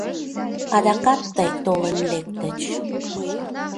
Адакат тый толын лектыч